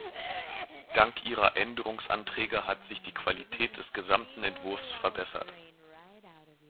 Dank ihrer Änderungsanträge hat sich die Qualität des gesamten Entwurfs verbessert.